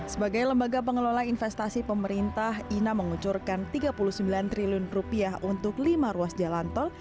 sebagai lembaga pengelola investasi pemerintah ina mengucurkan rp tiga puluh sembilan triliun untuk lima ruas jalan tol